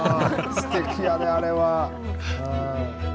すてきやであれは。